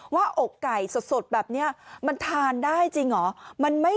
อกไก่สดแบบนี้มันทานได้จริงเหรอ